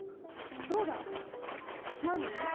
そうだ！何？